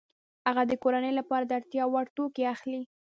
هغه د کورنۍ لپاره د اړتیا وړ توکي اخلي